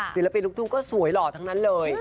ศิลปินลูกทุ่งก็สวยหล่อทั้งนั้นเลย